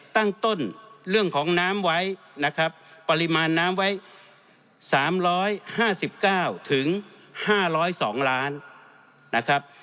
ตั้งต้นเรื่องของน้ำไว้นะครับปริมาณน้ำไว้๓๕๙ถึง๕๐๒ล้านนะครับ